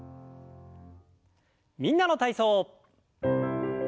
「みんなの体操」。